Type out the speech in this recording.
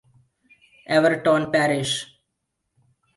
Everton parish.